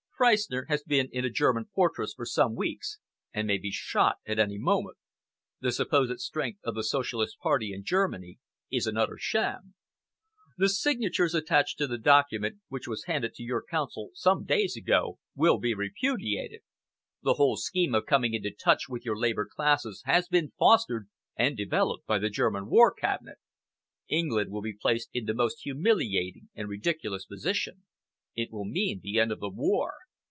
"Freistner has been in a German fortress for some weeks and may be shot at any moment. The supposed strength of the Socialist Party in Germany is an utter sham. The signatures attached to the document which was handed to your Council some days ago will be repudiated. The whole scheme of coming into touch with your Labour classes has been fostered and developed by the German War Cabinet. England will be placed in the most humiliating and ridiculous position. It will mean the end of the war."